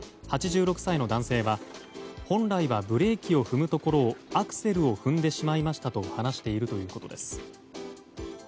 ８６歳の男性は本来はブレーキを踏むところをアクセルを踏んでしまいましたと話しているということです。